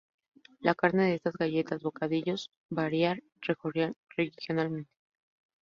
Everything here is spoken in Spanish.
La carne de estas galletas bocadillos variar regionalmente.